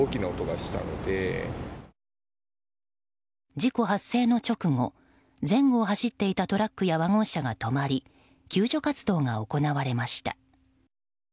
事故発生の直後前後を走っていたトラックやワゴン車が止まり救助活動が行われました。